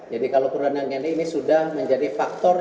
jadi kalau kurangnya ini sudah menjadi faktor